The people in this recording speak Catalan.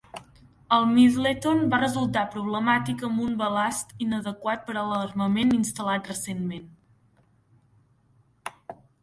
El Middleton va resultar problemàtic amb un balast inadequat per a l'armament instal·lat recentment.